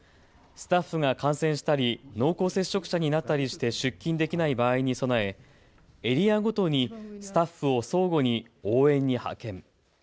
スタッフが感染したり濃厚接触者になったりして出勤できない場合に備えエリアごとにスタッフを相互に応援に派遣。